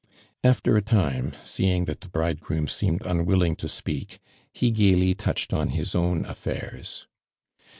After a time, seeing that the bridegroom seemed unwilling to speak, he gaily touched on his own affairs.